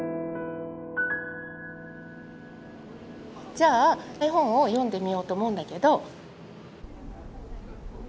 じゃあ絵本を読んでみようと思うんだけど。